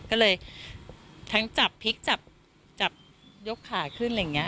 ก็เลยทั้งจับพลิกจับยกขาขึ้นอะไรอย่างนี้